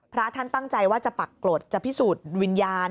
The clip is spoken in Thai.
พระท่านตั้งใจว่าจะปักกรดจะพิสูจน์วิญญาณ